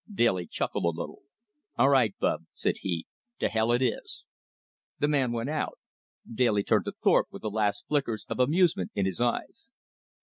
Daly chuckled a little. "All right, Bub," said he, "to hell it is." The man went out. Daly turned to Thorpe with the last flickers of amusement in his eyes.